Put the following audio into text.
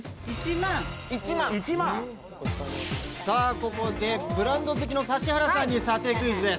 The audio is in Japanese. ここで、ブランド好きの指原さんに査定クイズです。